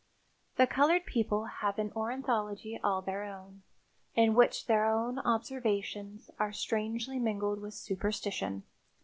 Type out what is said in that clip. The colored people have an ornithology all their own, in which their own observations are strangely mingled with superstition.